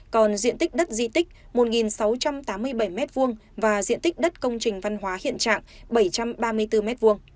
còn diện tích đất di tích một sáu trăm tám mươi bảy m hai và diện tích đất công trình văn hóa hiện trạng bảy trăm ba mươi bốn m hai